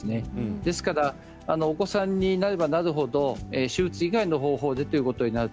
ですからお子さんになればなるほど手術以外の方法ということになると。